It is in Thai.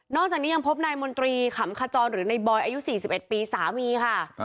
นอกจากนี้ยังพบนายมนตรีขำคจรหรือนายบอยอายุสี่สิบเอ็ดปีสามีค่ะอ่า